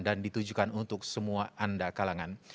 dan ditujukan untuk semua anda kalangan